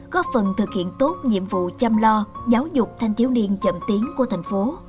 góp phần thực hiện tốt nhiệm vụ chăm lo giáo dục thanh thiếu niên chậm tiến của thành phố